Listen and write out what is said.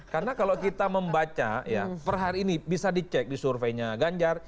karena kalau kita membaca per hari ini bisa dicek di surveinya ganjar